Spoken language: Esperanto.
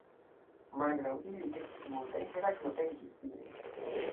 Malgraŭ ili estis multaj, Heraklo venkis ilin.